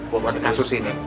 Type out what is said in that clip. buat kasus ini